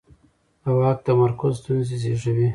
د واک تمرکز ستونزې زېږوي